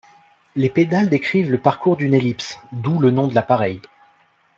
Les pédales décrivent le parcours d'une ellipse, d'où le nom de l'appareil.